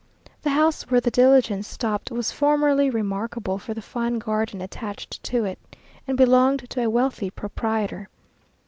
The house where the diligence stopped was formerly remarkable for the fine garden attached to it, and belonged to a wealthy proprietor.